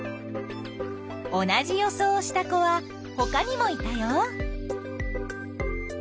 同じ予想をした子はほかにもいたよ。